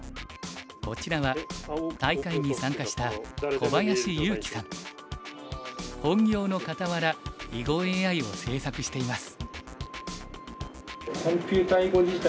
こちらは大会に参加した本業のかたわら囲碁ＡＩを制作しています。